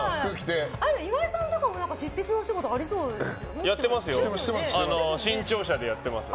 岩井さんとかも執筆のお仕事やってますよ。